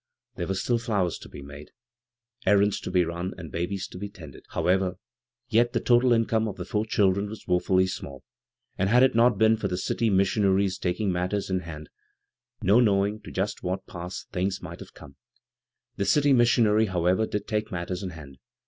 There were still flowers to be made, cr b, Google CROSS CURRENTS rands to be run, and babies to be tended, however, yet the total income of the four children was woefully small, and had it not been for the d^ missionary's taking matters in hand, no knowing to just what pass things might have come. The city missionary, however, did take matters in hand.